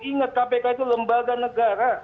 ingat kpk itu lembaga negara